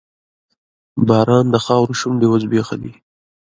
باران د خاورو شونډې وځبیښلې